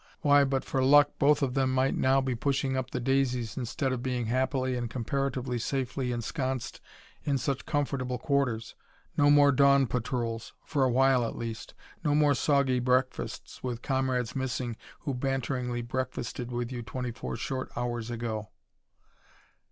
Why, but for luck both of them might now be pushing up the daisies instead of being happily, and comparatively safely ensconced in such comfortable quarters. No more dawn patrols for a while at least; no more soggy breakfasts with comrades missing who banteringly breakfasted with you twenty four short hours ago.